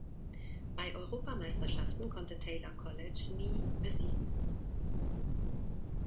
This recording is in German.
Bei Europameisterschaften konnte Taylor Colledge nie besiegen.